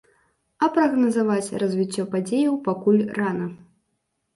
А прагназаваць развіццё падзеяў пакуль рана.